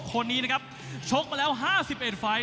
คนนี้นะครับชกมาแล้ว๕๑ไฟล์